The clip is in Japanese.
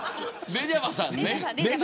レジャバさんね。